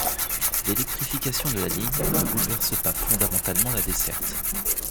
L'électrification de la ligne ne bouleverse pas fondamentalement la desserte.